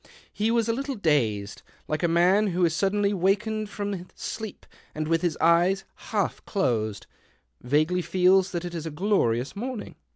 He was a little dazed, like a man who is suddenly wakened from sleep and with his eyes half closed vaguely feels that it is a glorious morning.